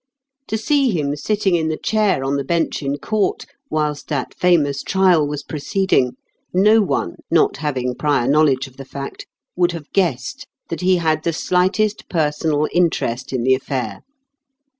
To see him sitting in the chair on the bench in court whilst that famous trial was proceeding, no one, not having prior knowledge of the fact, would have guessed that he had the slightest personal interest in the affair.